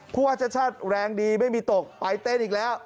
ผู้ว่าชาติชาติแรงดีไม่มีตกไปเต้นอีกแล้ว